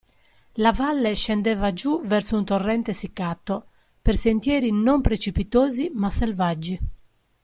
La valle scendeva giù verso un torrente essiccato, per sentieri non precipitosi ma selvaggi.